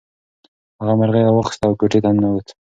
هغه مرغۍ راواخیسته او کوټې ته ننووت.